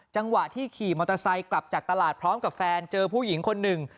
จังหวะที่ขี่มอเตอร์ไซค์กลับจากตลาดพร้อมกับแฟนเจอผู้หญิงคนหนึ่ง